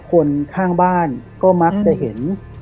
คนข้างบ้านก็มักจะเห็น